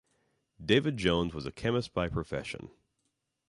David Jones was a chemist by profession.